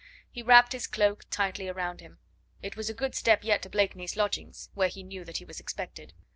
He wrapped his cloak tightly around him. It was a good step yet to Blakeney's lodgings, where he knew that he was expected.